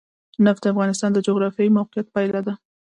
نفت د افغانستان د جغرافیایي موقیعت پایله ده.